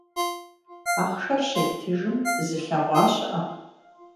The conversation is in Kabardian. Ахъшэр щептыжым зылъэгъуа щыӀэ?